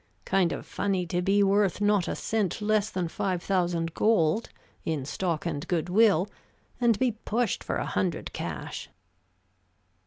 Kind of funny to be worth not a cent less than five thousand gold, in stock and good will, and be pushed for a hundred cash."